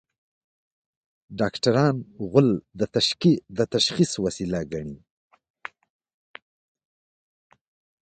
ډاکټران غول د تشخیص وسیله ګڼي.